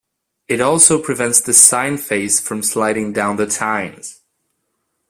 It also prevents the sign face from sliding down the tines.